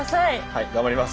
はい頑張ります。